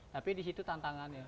tapi di situ tantangannya